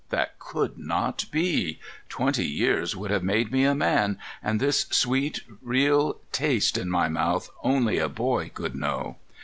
That could not be. Twenty years would have made me a man, and this sweet, real taste in my mouth only a boy could know.